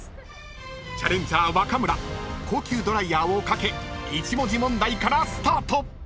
［チャレンジャー若村高級ドライヤーを懸け１文字問題からスタート！］